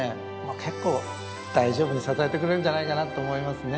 結構大丈夫に支えてくれるんじゃないかなと思いますね。